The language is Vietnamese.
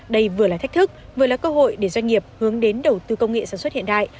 đây vừa là thách thức vừa là cơ hội để doanh nghiệp hướng đến đầu tư công nghệ sản xuất hiện đại